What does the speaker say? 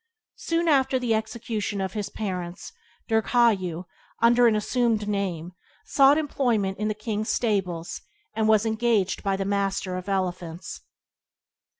Soon after the execution of his parents, Dirghayu, under an assumed name, sought employment in the king's stables, and was engaged by the master of elephants.